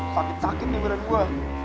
sakit sakit nih beda gua